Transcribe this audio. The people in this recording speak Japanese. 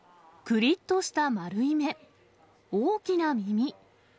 くりっとした丸い目、大きな耳。